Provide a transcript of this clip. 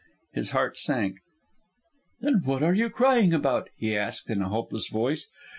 His heart sank. "Then what are you crying about?" he asked in a hopeless voice.